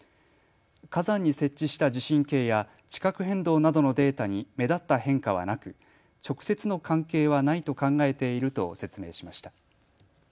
火山に設置した地震計や地殻変動などのデータに目立った変化はなく直接の関係はないと考えていると説明しました。